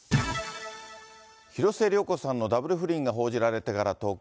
広末涼子さんのダブル不倫が報じられてから１０日。